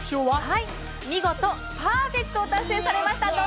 はい見事パーフェクトを達成されました